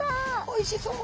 おいしそう。